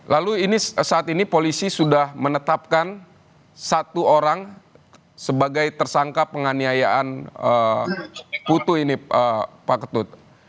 lalu saat ini polisi sudah menetapkan satu orang sebagai tersangka penganiayaan putu ini pak ketut